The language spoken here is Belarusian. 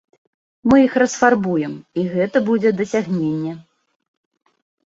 Мы іх расфарбуем, і гэта будзе дасягненне.